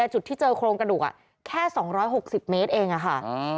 จุดที่เจอโครงกระดูกแค่๒๖๐เมตรเองค่ะ